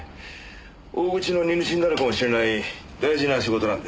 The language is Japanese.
大口の荷主になるかもしれない大事な仕事なんで。